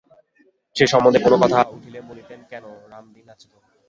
সে সম্বন্ধে কোনো কথা উঠিলে বলিতেন, কেন, রামদীন আছে তো?